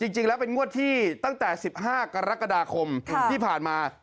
จริงแล้วเป็นงวดที่ตั้งแต่๑๕กรกฎาคมที่ผ่านมา